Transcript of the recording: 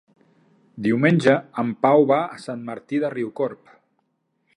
Diumenge en Pau va a Sant Martí de Riucorb.